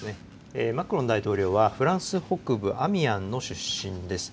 マクロン大統領はフランス北部アミアンの出身です。